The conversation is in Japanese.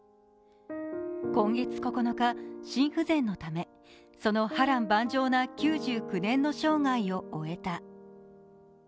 今月９日、心不全のためその波瀾万丈な９９年の生涯を終えた。